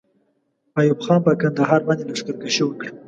ایوب خان پر کندهار باندې لښکر کشي وکړه.